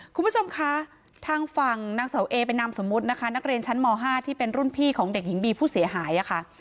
คุณผู้ชมคะทางฝั่งนางเสาเอเป็นนามสมมุตินะคะนักเรียนชั้นม๕ที่เป็นรุ่นพี่ของเด็กหญิงบีผู้เสียหายค่ะ